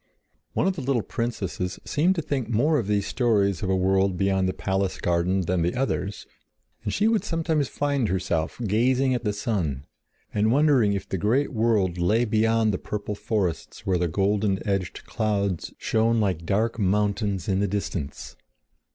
One of the little princesses seemed to think more of these stories of a world beyond the palace garden than the others, and she would sometimes find herself gazing at the sun, and wondering if the great world lay beyond the purple forests where the golden edged clouds shone like dark mountains in the distance.